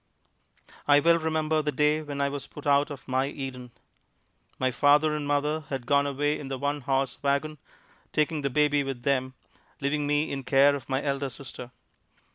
I well remember the day when I was put out of my Eden. My father and mother had gone away in the one horse wagon, taking the baby with them, leaving me in care of my elder sister.